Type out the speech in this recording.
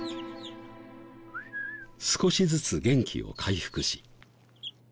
少しずつ元気を回復し。